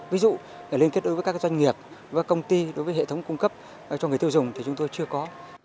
ví dụ để liên kết đối với các doanh nghiệp với công ty đối với hệ thống cung cấp cho người tiêu dùng thì chúng tôi chưa có